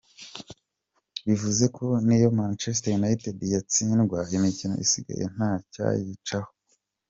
Bivuze ko niyo Manchester United yatsindwa imikino isigaye ntayayicaho.